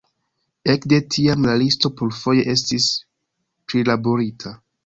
Ekde tiam la listo plurfoje estis prilaborita.